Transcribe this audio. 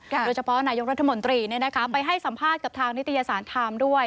นายกรัฐมนตรีไปให้สัมภาษณ์กับทางนิตยสารไทม์ด้วย